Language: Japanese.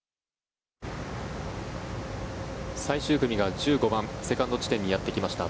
最終組が１５番セカンド地点にやってきました。